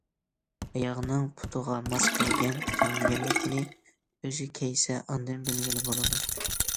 ئاياغنىڭ پۇتىغا ماس كەلگەن- كەلمىگەنلىكىنى ئۆزى كىيسە ئاندىن بىلگىلى بولىدۇ.